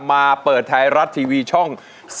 มาเปิดไทยรัฐทีวีช่อง๓๒